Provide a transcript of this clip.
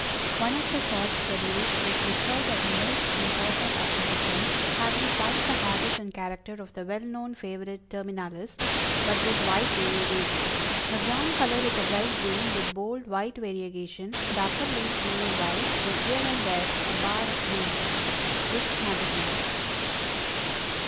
One of the sorts produced is described as "a most important acquisition, having quite the habit and character of the well known favorite terminalis, but with white variegation. The ground color is a bright green, with bold, white variegation, the upper leaves being white, with here and there a bar of green." _Vick's Magazine.